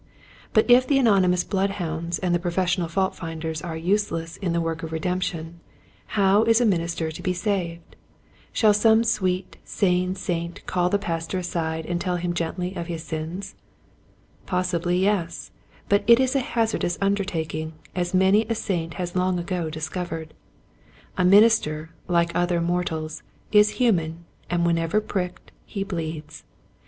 But if the anonymous bloodhounds and the professional fault finders are useless in the work of redemption, how is a minister to be saved } Shall some sweet, sane saint call the Pastor aside and tell him gently of his sins t Possibly yes, but it is a hazardous undertaking, as many a saint has long ago discovered. A minister, like other mortals, is human and whenever pricked he bleeds.